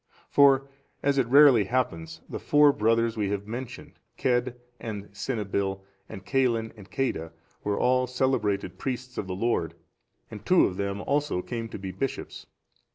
For, as it rarely happens, the four brothers we have mentioned, Cedd and Cynibill, and Caelin and Ceadda, were all celebrated priests of the Lord, and two of them also came to be bishops.